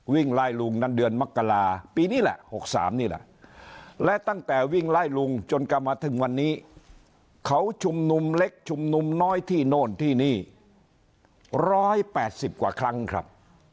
วิ่งไล่ลุงนั้นเดือนมกราปีนี้แหละ๖๓นี่แหละและตั้งแต่วิ่งไล่ลุงจนกลับมาถึงวันนี้เขาชุมนุมเล็กชุมนุมน้อยที่โน่นที่นี่๑๘๐กว่าครั้งครับ